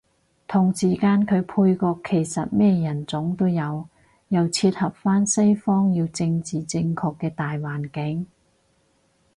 同時間佢配角其實咩人種都有，又切合返西方要政治正確嘅大環境